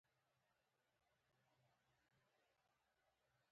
علم لوی طاقت دی!